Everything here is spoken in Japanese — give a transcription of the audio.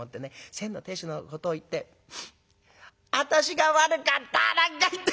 『先の亭主のことを言って私が悪かった！』なんか言って。